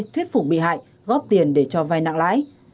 thuyết phủng bị hại góp tiền để cho vai nặng lãi